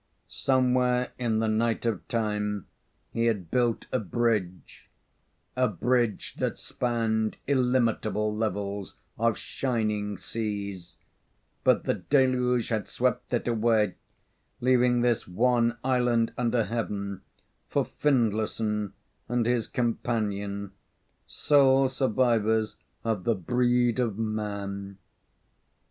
Somewhere in the night of time he had built a bridge a bridge that spanned illimitable levels of shining seas; but the Deluge had swept it away, leaving this one island under heaven for Findlayson and his companion, sole survivors of the breed of Man.